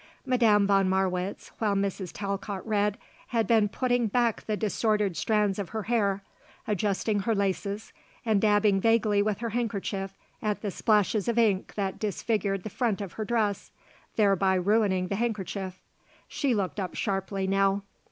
Madame von Marwitz, while Mrs. Talcott read, had been putting back the disordered strands of her hair, adjusting her laces, and dabbing vaguely with her handkerchief at the splashes of ink that disfigured the front of her dress thereby ruining the handkerchief; she looked up sharply now.